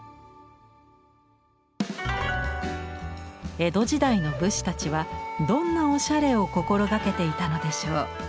江戸時代の武士たちはどんなおしゃれを心掛けていたのでしょう？